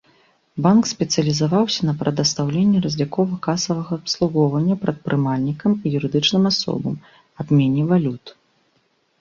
Банк спецыялізаваўся на прадастаўленні разлікова-касавага абслугоўвання прадпрымальнікам і юрыдычным асобам, абмене валют.